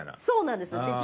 そうなんですよ。